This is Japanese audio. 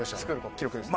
記録ですね。